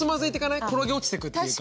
転げ落ちてくっていうか。